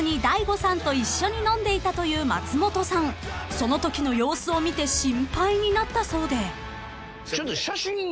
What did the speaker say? ［そのときの様子を見て心配になったそうで］